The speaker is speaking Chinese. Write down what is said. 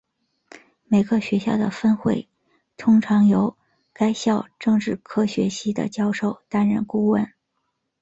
每个学校的分会通常由该校政治科学系的教授担任顾问。